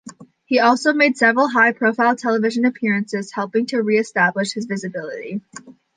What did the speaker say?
He also made several high-profile television appearances, helping to re-establish his visibility.